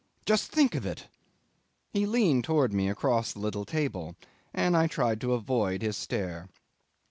Just think of it." He leaned towards me across the little table, and I tried to avoid his stare.